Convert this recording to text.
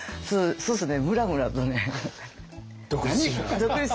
そうですね。